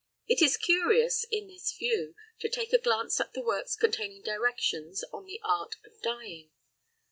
It is curious, in this view, to take a glance at the works containing directions on the art of dyeing.